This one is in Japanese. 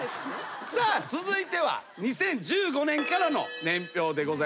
さあ続いては２０１５年からの年表でございます。